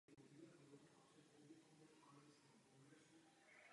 Vymezení politologie od ostatních věd bylo dokončeno až po druhé světové válce.